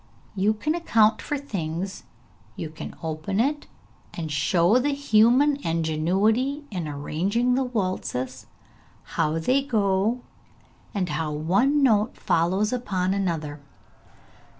You can account for things, you can open it and show the human ingenuity in arranging the waltzes, how they go, and how one note follows upon another!'